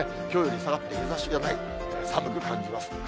きょうより下がって、日ざしがない。寒く感じます。